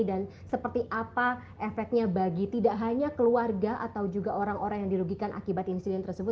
dan seperti apa efeknya bagi tidak hanya keluarga atau juga orang orang yang dirugikan akibat insiden tersebut